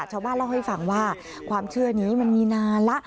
ชาวบ้านเล่าให้ฟังว่าความเชื่อนี้มันมีนานแล้ว